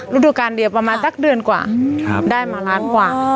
ฤดูการเดียวประมาณสักเดือนกว่าได้มาล้านกว่า